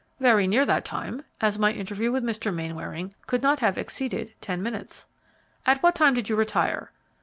"Very near that time, as my interview with Mr. Mainwaring could not have exceeded ten minutes." "At what time did you retire?"